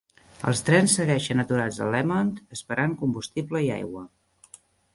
Els trens segueixen aturats a Lamont esperant combustible i aigua.